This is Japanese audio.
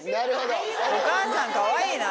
お母さんかわいいな。